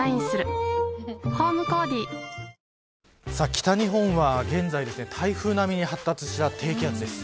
北日本は現在台風並みに発達した低気圧です。